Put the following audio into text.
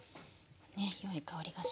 ねっよい香りがします。